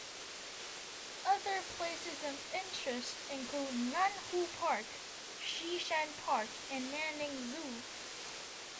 Other places of interest include Nanhu Park, Shishan Park and Nanning Zoo.